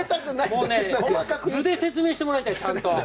もう、図で説明してもらいたい、ちゃんと。